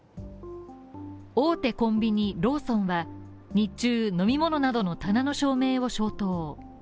大手コンビニ、ローソンは日中飲み物などの棚の照明を消灯。